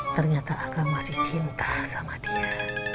ternyata aka masih cinta sama dia